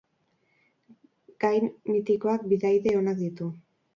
Gain mitikoak bidaide onak ditu.